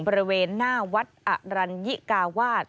บริเวณหน้าวัดอรัญญิกาวาส